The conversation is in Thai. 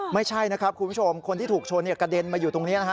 ไม่ใช่นะครับคุณผู้ชมคนที่ถูกชนกระเด็นมาอยู่ตรงนี้นะฮะ